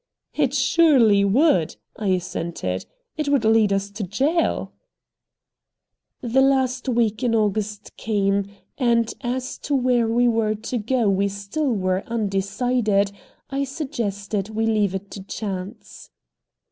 "It surely would!" I assented. "It would lead us to jail." The last week in August came, and, as to where we were to go we still were undecided, I suggested we leave it to chance.